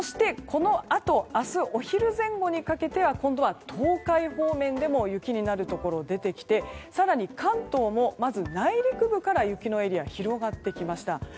明日お昼前後にかけては今度は東海方面でも雪になるところが出てきて更に関東も、まず内陸部から雪のエリアが広がってきました。